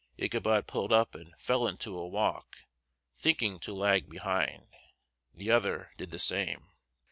Ichabod pulled up, and fell into a walk, thinking to lag behind; the other did the same.